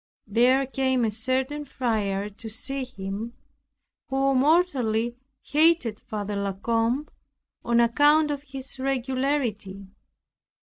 There came a certain friar to see him, who mortally hated Father La Combe, on account of his regularity.